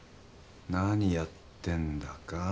何やってんだか。